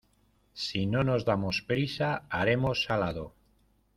Si no nos damos prisa, haremos salado.